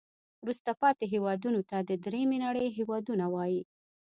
وروسته پاتې هیوادونو ته د دریمې نړۍ هېوادونه وایي.